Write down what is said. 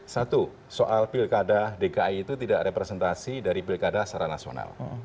satu soal pilkada dki itu tidak representasi dari pilkada secara nasional